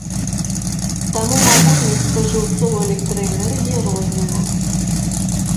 Таму магутнасць спажыўцоў электраэнергіі розная.